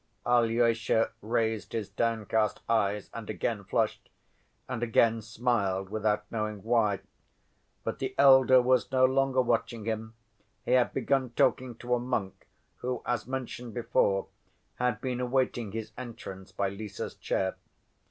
Alyosha raised his downcast eyes and again flushed, and again smiled without knowing why. But the elder was no longer watching him. He had begun talking to a monk who, as mentioned before, had been awaiting his entrance by Lise's chair.